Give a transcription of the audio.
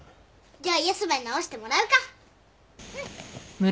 じゃあヤスばに直してもらうか。